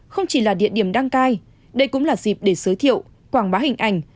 không chỉ là địa điểm đăng cai đây cũng là dịp để giới thiệu quảng bá hình ảnh